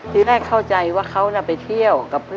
ทีแรกเข้าใจว่าเขาไปเที่ยวกับเพื่อน